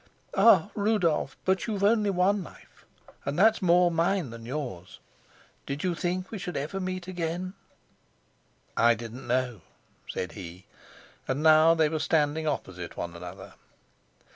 "Ah, Rudolf, but you've only one life, and that more mine than yours. Did you think we should ever meet again?" "I didn't know," said he; and now they were standing opposite one another.